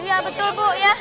iya betul bu ya